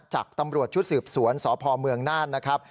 จากตำรวจชุดสืบสวนสพเมืองน่านนะครับ